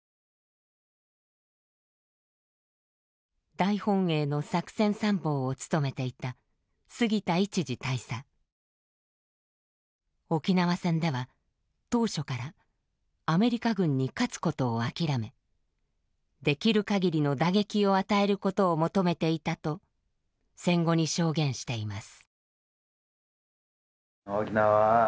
大本営の作戦参謀を務めていた沖縄戦では当初からアメリカ軍に勝つことを諦めできるかぎりの打撃を与えることを求めていたと戦後に証言しています。